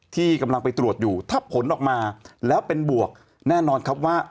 ที่กำลังไปตรวจอยู่ถ้าผลออกมาแล้วเป็นบวกแน่นอนครับว่า